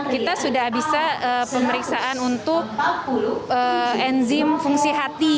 kita sudah bisa pemeriksaan untuk enzim fungsi hati